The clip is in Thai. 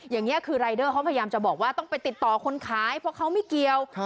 อย่างนี้คือรายเดอร์เขาพยายามจะบอกว่าต้องไปติดต่อคนขายเพราะเขาไม่เกี่ยว